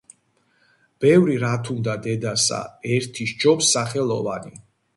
ბევრი რათ უნდა დედასა, ერთი სჯობს სახელოვანი